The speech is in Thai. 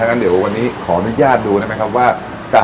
ดังนั้นเดี๋ยววันนี้ขออนุญาตดูนะครับว่า